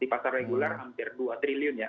di pasar regular hampir dua triliun ya